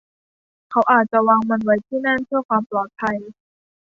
เขาอาจจะวางมันไว้ที่นั่นเพื่อความปลอดภัย